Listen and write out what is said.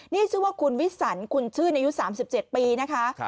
นี่ชื่อว่าคุณวิสันคุณชื่อในยุคสามสิบเจ็ดปีนะคะ